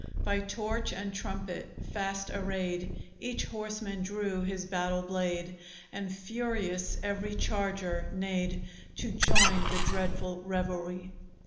By torch and trumpet fast arrayed, Each horseman drew his battle blade, And furious every charger neighed, To join the dreadful revelry.